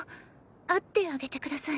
会ってあげて下さい。